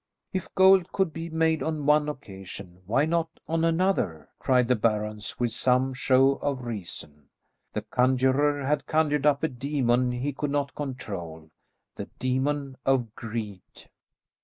If gold could be made on one occasion why not on another? cried the barons with some show of reason. The conjurer had conjured up a demon he could not control; the demon of greed.